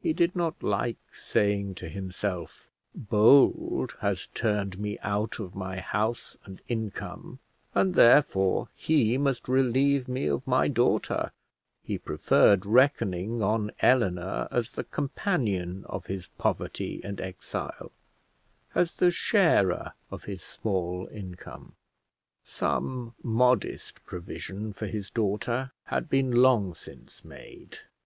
He did not like saying to himself, Bold has turned me out of my house and income, and, therefore, he must relieve me of my daughter; he preferred reckoning on Eleanor as the companion of his poverty and exile, as the sharer of his small income. Some modest provision for his daughter had been long since made.